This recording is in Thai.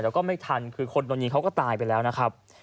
แล้วก็ไม่ทันคือคนโดนยิงเขาก็ตายไปแล้วนะครับ